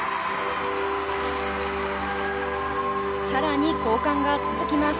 更に、交換が続きます。